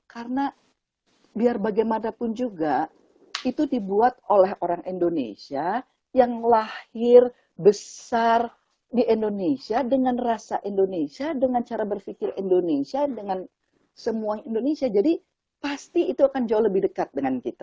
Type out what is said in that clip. karena biar bagaimanapun juga itu dibuat oleh orang indonesia yang lahir besar di indonesia dengan rasa indonesia dengan cara berpikir indonesia dengan semua indonesia jadi pasti itu akan jauh lebih dekat dengan kita